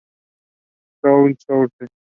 Soul Source.